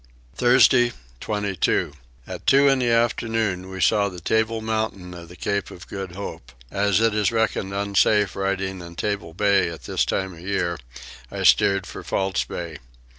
Thursday 22. At two in the afternoon we saw the Table Mountain of the Cape of Good Hope. As it is reckoned unsafe riding in Table Bay at this time of year I steered for False Bay.